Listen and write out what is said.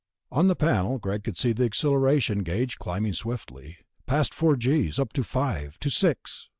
On the panel Greg could see the accelleration gauge climbing swiftly ... past four g's, up to five, to six.